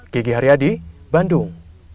gigi haryadi bandung